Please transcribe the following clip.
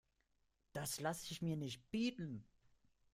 Das lasse ich mir nicht bieten!